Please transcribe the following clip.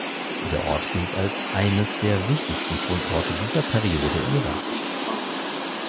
Der Ort gilt als eines der wichtigsten Fundorte dieser Periode im Irak.